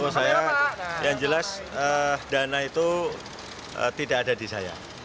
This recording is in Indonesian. menurut saya yang jelas dana itu tidak ada di saya